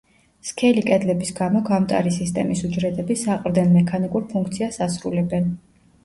სქელი კედლების გამო გამტარი სისტემის უჯრედები, საყრდენ–მექანიკურ ფუნქციას ასრულებენ.